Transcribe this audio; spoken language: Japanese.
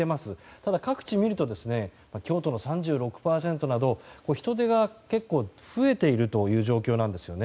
ただ、各地を見ると京都の３６％など人出が結構増えているという状況なんですよね。